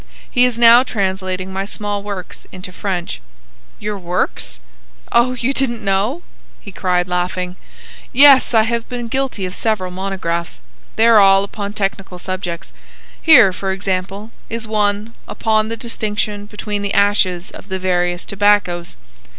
He is now translating my small works into French." "Your works?" "Oh, didn't you know?" he cried, laughing. "Yes, I have been guilty of several monographs. They are all upon technical subjects. Here, for example, is one 'Upon the Distinction between the Ashes of the Various Tobaccoes.